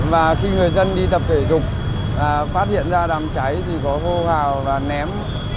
và khi người dân đi tập thể dục phát hiện ra đám cháy thì có hô hào và ném